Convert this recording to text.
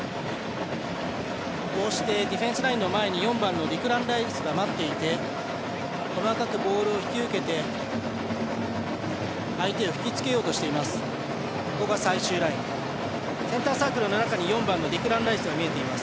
こうしてディフェンスラインの前に４番のディクラン・ライスが待っていて細かくボールを引き受けて相手を引きつけようとしています。